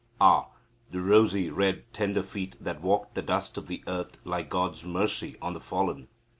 Ah, the rosy red tender feet that walked the dust of the earth like God's mercy on the fallen!